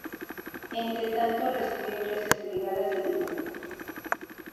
Entretanto recibió clases privadas de dibujo.